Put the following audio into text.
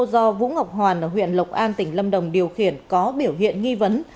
do vũ ngọc hoàn ở huyện lộc an tỉnh lâm đồng điều khiển có biểu hiện nghi vấn